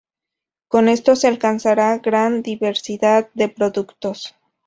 Con esto se alcanzará gran diversidad de productos.